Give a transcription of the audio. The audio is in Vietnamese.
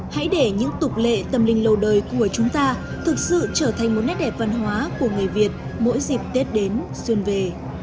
hãy để những tục lệ tâm linh lâu đời của chúng ta thực sự trở thành một nét đẹp văn hóa của người việt mỗi dịp tết đến xuân về